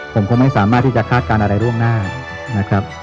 ผมก็ไม่สามารถที่จะคาดการณ์อะไรล่วงหน้านะครับ